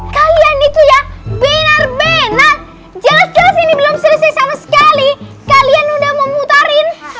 kalian itu ya benar benar jaskes ini belum selesai sama sekali kalian udah memutarin